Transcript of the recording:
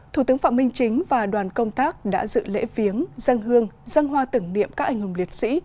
thủ tướng phạm minh chính và đoàn công tác đã dự lễ viếng dân hương dân hoa tưởng niệm các anh hùng liệt sĩ